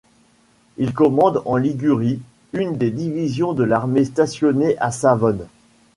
Il commande en Ligurie une des divisions de l’armée, stationnée à Savone.